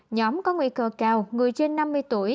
nhóm có nguy cơ cao người trên năm mươi tuổi